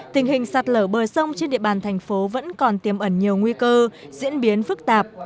tình hình sạt lở bờ sông trên địa bàn tp cần thơ vẫn còn tiêm ẩn nhiều nguy cơ diễn biến phức tạp